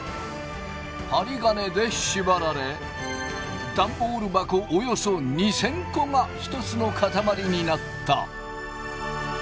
針金で縛られダンボール箱およそ２，０００個が１つの塊になった。